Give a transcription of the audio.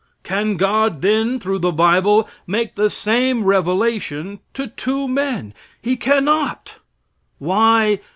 Can God, then, through the bible, make the same revelation to two men? He cannot. Why?